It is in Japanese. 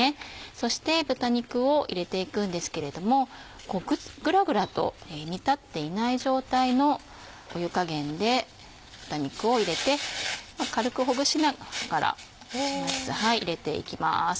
そして豚肉を入れていくんですけれどもグラグラと煮立っていない状態の湯加減で豚肉を入れて軽くほぐしながら入れていきます。